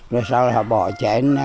rồi sau là họ bỏ chén